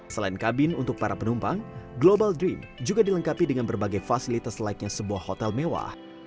selain kabin untuk para penumpang global dream juga dilengkapi dengan berbagai fasilitas lainnya sebuah hotel mewah